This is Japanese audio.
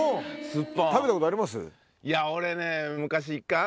いや俺ね。